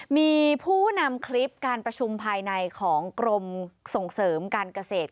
มีผู้นำคลิปการประชุมภายในของกรมส่งเสริมการเกษตร